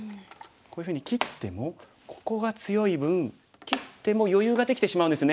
こういうふうに切ってもここが強い分切っても余裕ができてしまうんですね。